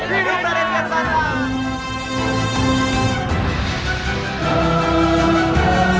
bidob raden kian santang